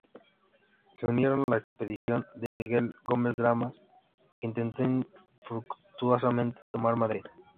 Se unieron a la expedición de Miguel Gómez Damas, que intentó infructuosamente tomar Madrid.